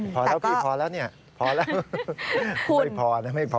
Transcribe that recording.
พอแล้วพี่พอแล้วเนี่ยพอแล้วไม่พอนะไม่พอ